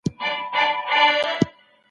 مرګ د جسم د مړاوي کېدو نوم دی.